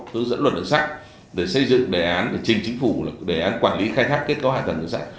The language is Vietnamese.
hướng dẫn luật đường sắt để xây dựng đề án để trình chính phủ đề án quản lý khai thác kết cấu hạ tầng đường sắt